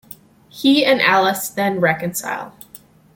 He and Alice then reconcile.